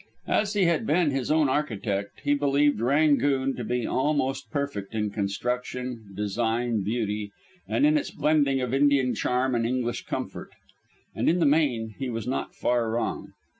As he had been his own architect, he believed "Rangoon" to be almost perfect in construction, design, beauty, and in its blending of Indian charm and English comfort. And in the main he was not far wrong.